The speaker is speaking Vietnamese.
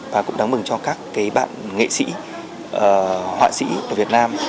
và cũng đáng mừng cho các bạn nghệ sĩ họa sĩ ở việt nam